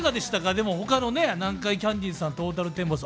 でも他のね南海キャンディーズさんトータルテンボス